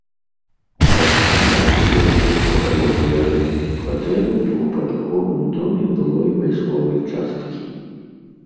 Аляксандра жыве ў двухпакаёвай арэнднай кватэры ў двухпавярховым доме былой вайсковай часткі.